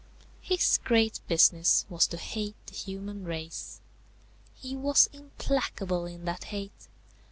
His great business was to hate the human race. He was implacable in that hate.